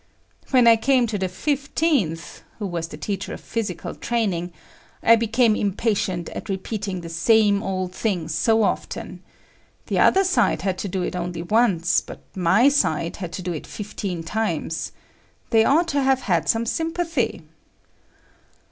When I came to the fifteenth, who was the teacher of physical training, I became impatient at repeating the same old thing so often. The other side had to do it only once, but my side had to do it fifteen times. They ought to have had some sympathy.